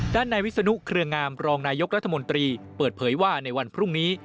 ด้านในวิศนุเครืองามรองนายกรัฐมนตรีเปิดเผยว่าในวันพรุ่งนี้